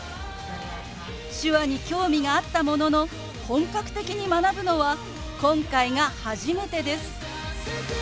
手話に興味があったものの本格的に学ぶのは今回が初めてです。